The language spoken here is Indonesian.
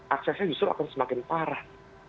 aksesnya justru akan semakin parah